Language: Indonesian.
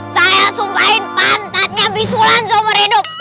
saya sumpahin pantatnya bisulan seumur hidup